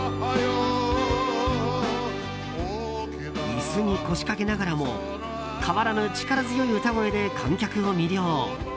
椅子に腰かけながらも変わらぬ力強い歌声で観客を魅了。